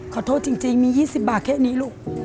ขอโทษจริงมียี่สิบบาทแค่นี้ลูก